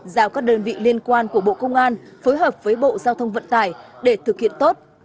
giao các đơn vị liên quan của bộ công an phối hợp với bộ giao thông vận tải để thực hiện tốt